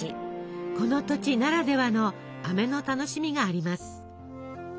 この土地ならではのあめの楽しみがあります。